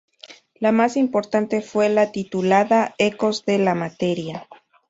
La más importante fue la titulada "Ecos de la materia.